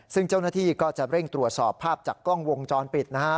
ซึ่งเจ้าหน้าที่ก็จะเร่งตรวจสอบภาพจากกล้องวงจรปิดนะฮะ